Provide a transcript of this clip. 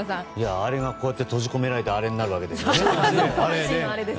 あれが閉じ込められてあれになるわけですね。